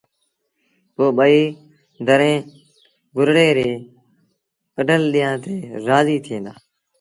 پو ٻئيٚ ڌريٚݩ گرڙي ري ڪڍل ڏيݩهآݩ تي رآزيٚ ٿئيݩ دآ